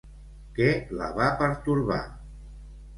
Què la va pertorbar?